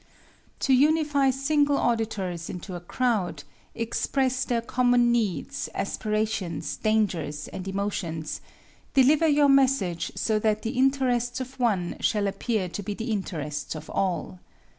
To unify single, auditors into a crowd, express their common needs, aspirations, dangers, and emotions, deliver your message so that the interests of one shall appear to be the interests of all.